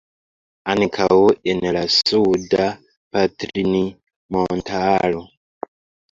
Ankaŭ en la Suda Patrinmontaro.